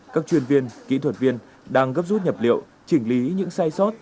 các chuyên viên kỹ thuật viên đang gấp rút nhập liệu chỉnh lý những sai sót